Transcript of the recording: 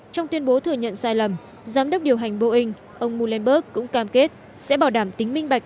trong tuyên bố thừa nhận sai lầm giám đốc điều hành boeing ông muelberg cũng cam kết sẽ bảo đảm tính minh bạch